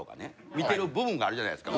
見てる部分があるじゃないですか。